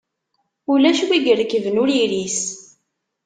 Ulac wi irekben ur iris.